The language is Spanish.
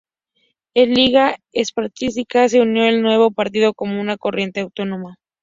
La Liga Espartaquista se unió al nuevo partido como una corriente autónoma.